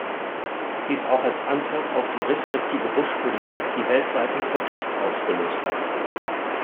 Dies auch als Antwort auf die restriktive Bush-Politik, die weltweiten Protest ausgelöst hat.